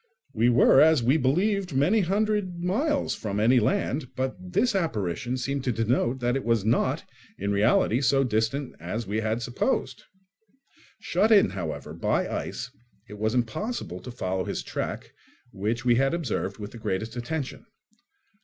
We were, as we believed, many hundred miles from any land; but this apparition seemed to denote that it was not, in reality, so distant as we had supposed. Shut in, however, by ice, it was impossible to follow his track, which we had observed with the greatest attention.